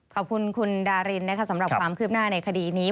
ขอบคุณคุณดารินนะคะสำหรับความคืบหน้าในคดีนี้